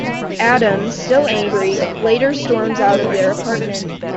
Adam, still angry, later storms out of their apartment.